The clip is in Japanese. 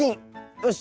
よし！